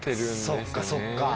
そっかそっか。